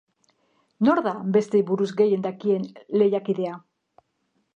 Nor da besteei buruz gehien dakien lehiakidea?